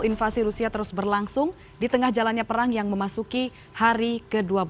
invasi rusia terus berlangsung di tengah jalannya perang yang memasuki hari ke dua belas